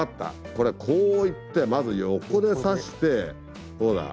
これこう行ってまず横で刺してほら。